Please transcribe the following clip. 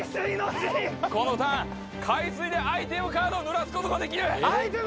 このターン海水でアイテムカードを濡らすことができるアイテム